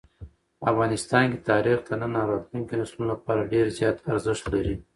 افغانستان کې تاریخ د نن او راتلونکي نسلونو لپاره ډېر زیات ارزښت لري.